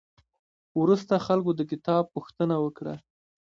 وروسته خلکو د کتاب پوښتنه وکړه.